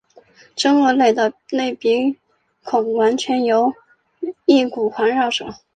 真鳄类的内鼻孔完全由翼骨环绕者。